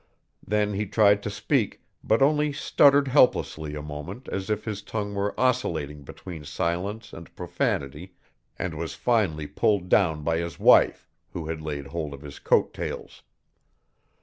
Then he tried to speak, but only stuttered helplessly a moment as if his tongue were oscillating between silence and profanity, and was finally pulled down by his wife, who had laid hold of his coat tails.